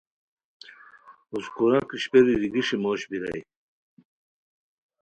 ہوس کورک اشپیرو ریگیݰی موش بیرائے